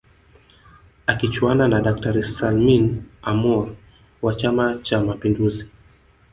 Akichuana na daktari Salmin Amour wa chama cha mapinduzi